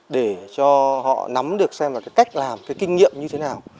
để cho họ nắm được xem là cái cách làm cái kinh nghiệm như thế nào